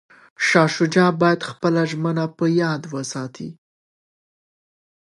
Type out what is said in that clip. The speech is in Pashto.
شاه شجاع باید خپله ژمنه په یاد وساتي.